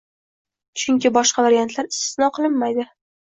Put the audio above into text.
Chunki boshqa variantlar istisno qilinmaydi